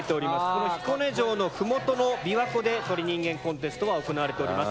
この彦根城の麓の琵琶湖で鳥人間コンテストは行われております。